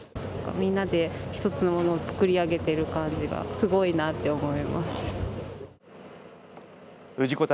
みんなで、一つのものを作り上げている感じがすごいなって思いました。